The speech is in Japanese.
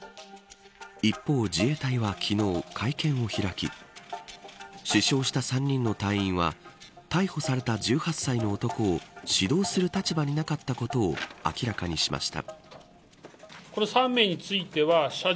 一方、自衛隊は昨日会見を開き死傷した３人の隊員は逮捕された１８歳の男を指導する立場になかったことを明らかにしました。